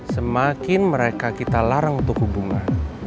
semakin mereka kita larang untuk hubungan